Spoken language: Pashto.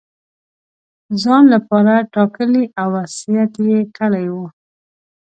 ځان لپاره ټاکلی او وصیت یې کړی وو.